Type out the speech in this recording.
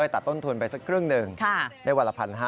ตัดต้นทุนไปสักครึ่งหนึ่งได้วันละ๑๕๐๐